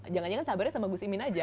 jangan jangan sabarnya sama gus imin aja